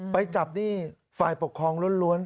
ไปจับหนี้ฝ่ายปกครองล้วน